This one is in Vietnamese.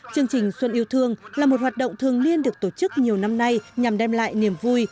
chương trình xuân yêu thương là một hoạt động thường niên được tổ chức nhiều năm nay nhằm đem lại niềm vui